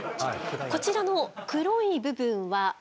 こちらの黒い部分は毛。